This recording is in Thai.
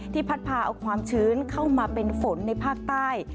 พัดพาเอาความชื้นเข้ามาเป็นฝนในภาคใต้